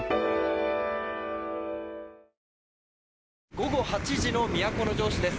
午後８時の都城市です。